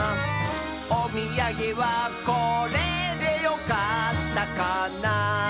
「おみやげはこれでよかったかな」